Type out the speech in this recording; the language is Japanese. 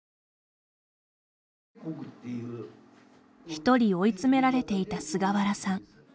一人追い詰められていた菅原さん。